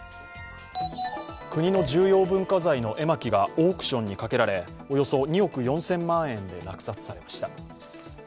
国の重要文化財の絵巻がオークションにかけられおよそ２億４０００万円で落札されました。